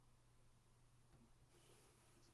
Peoples Party کا معاملہ بھی یہی بھی ہے۔